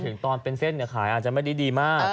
อ๋อไปถึงตอนเป็นเส้นเนี่ยขายอาจจะไม่ได้ดีมาก